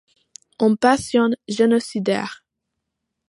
Une passion génocidaire.